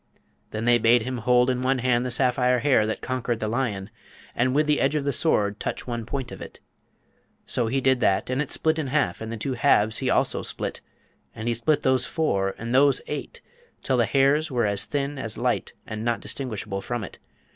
Then they bade him hold in one hand the sapphire hair that conquered the lion, and with the edge of the Sword touch one point of it. So he did that, and it split in half, and the two halves he also split; and he split those four, and those eight, till the hairs were thin as light and not distinguishable from it.